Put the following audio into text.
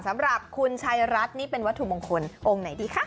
สำหรับคุณชัยรัฐนี่เป็นวัตถุมงคลองค์ไหนดีคะ